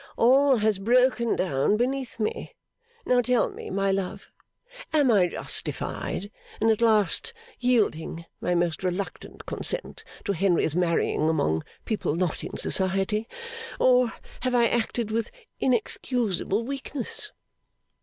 All has broken down beneath me. Now tell me, my love. Am I justified in at last yielding my most reluctant consent to Henry's marrying among people not in Society; or, have I acted with inexcusable weakness?